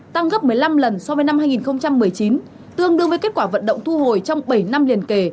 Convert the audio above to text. tăng gấp một mươi năm lần so với năm hai nghìn một mươi chín tương đương với kết quả vận động thu hồi trong bảy năm liền kề